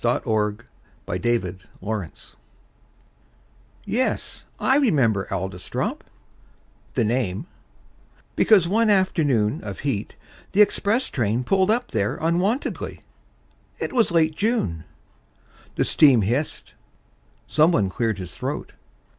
Edward Thomas Adlestrop YES, I remember Adlestrop The name because one afternoon Of heat the express train drew up there Unwontedly. It was late June. The steam hissed. Someone cleared his throat.